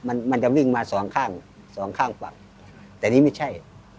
มันมันจะวิ่งมาสองข้างสองข้างฝั่งแต่นี่ไม่ใช่